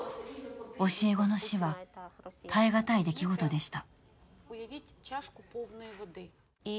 教え子の死は、耐えがたい出来事でした。